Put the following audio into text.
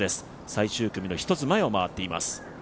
最終組の１つ前を回っています。